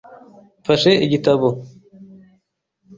Mfashe igitabo .